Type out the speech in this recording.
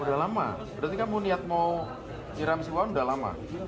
udah lama berarti kamu niat mau nyiram siwa udah lama